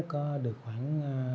có được khoảng